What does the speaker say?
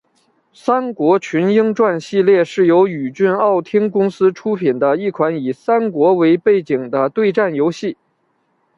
三国群英传系列是由宇峻奥汀公司出品的一款以三国为背景的对战游戏。